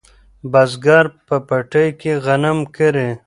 بزګر په پټي کې غنم کري.